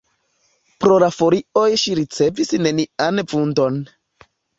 Pro la folioj ŝi ricevis nenian vundon.